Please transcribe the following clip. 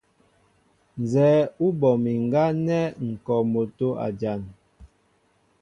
Nzɛ́ɛ́ ú bɔ mi ŋgá nɛ́ ŋ̀ kɔ motó a jan.